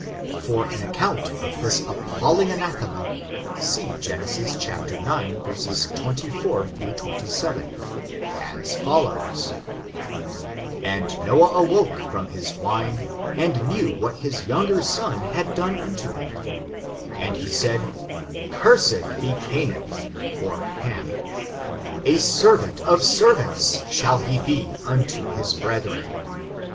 For an account of this appalling anathema, see Genesis ix, 24 27, as follows: "^nd Noah awoke from his wine^ and knew what his younger son had done unto him: and he said, cursed be Ca naan (Ham); a servant of servants shall he be unto his brethren.